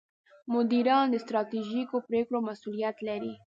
مدیران د ستراتیژیکو پرېکړو مسوولیت لري.